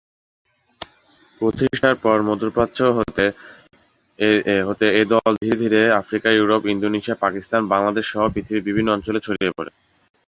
প্রতিষ্ঠার পর মধ্যপ্রাচ্য হতে এ দল ধীরে ধীরে আফ্রিকা, ইউরোপ, ইন্দোনেশিয়া, পাকিস্তান, বাংলাদেশসহ পৃথিবীর বিভিন্ন অঞ্চলে ছড়িয়ে পরে।